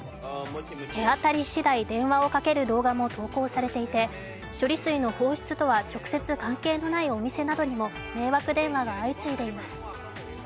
手当たりしだい電話をかける動画も投稿されていて処理水の放出とは直接関係のないお店などにも迷惑電話が相次いでいます。